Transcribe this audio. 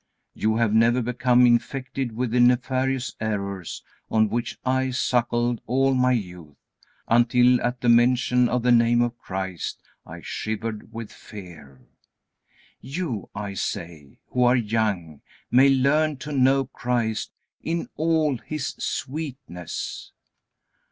You have never become infected with the nefarious errors on which I suckled all my youth, until at the mention of the name of Christ I shivered with fear. You, I say, who are young may learn to know Christ in all His sweetness.